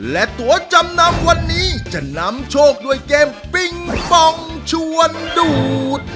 และตัวจำนำวันนี้จะนำโชคด้วยเกมปิงปองชวนดูด